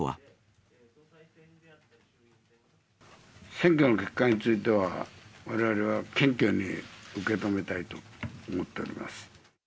選挙の結果については、われわれは謙虚に受け止めたいと思っております。